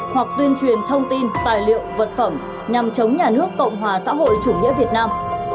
hoặc tuyên truyền thông tin tài liệu vật phẩm nhằm chống nhà nước cộng hòa xã hội chủ nghĩa việt nam